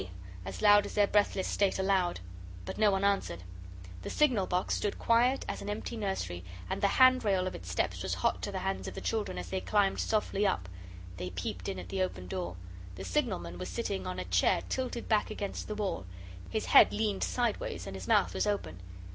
as loud as their breathless state allowed. But no one answered. The signal box stood quiet as an empty nursery, and the handrail of its steps was hot to the hands of the children as they climbed softly up. They peeped in at the open door. The signalman was sitting on a chair tilted back against the wall. His head leaned sideways, and his mouth was open.